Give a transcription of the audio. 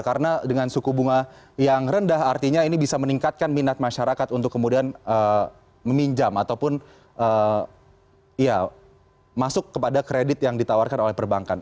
karena dengan suku bunga yang rendah artinya ini bisa meningkatkan minat masyarakat untuk kemudian meminjam ataupun masuk kepada kredit yang ditawarkan oleh perbankan